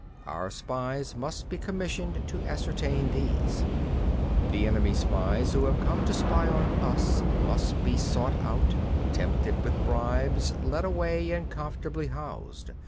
Our spies must be commissioned to ascertain these. 21. The enemy's spies who have come to spy on us must be sought out, tempted with bribes, led away and comfortably housed.